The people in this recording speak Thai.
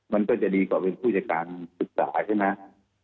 มันก็จะดีกว่าเป็นผู้จัดการศึกษาใช่ไหม